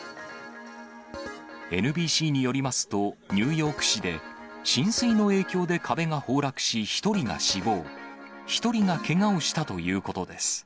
ＮＢＣによりますと、ニューヨーク市で浸水の影響で壁が崩落し、１人が死亡、１人がけがをしたということです。